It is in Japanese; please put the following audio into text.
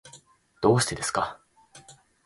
どうしてですか？